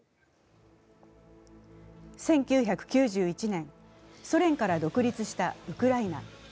１９９１年、ソ連から独立したウクライナ。